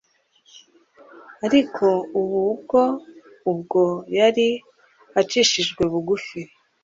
Ariko ubu bwo, ubwo yari acishijwe bugufi,